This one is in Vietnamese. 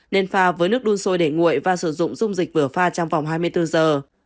nên pha với nước đun sôi để nguội và sử dụng dung dịch vừa pha trong vòng hai mươi bốn giờ